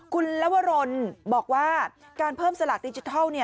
คุณลวรนบอกว่าการเพิ่มสลากดิจิทัล